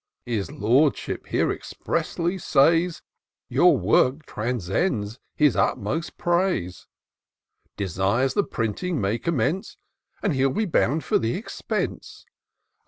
His Lordship here expressly says Your work transcends his utmost praise ; Desires the printing may commence, And he'll be bound for the expense.